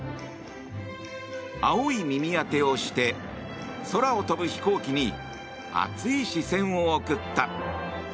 青い耳当てをして空を飛ぶ飛行機に熱い視線を送った。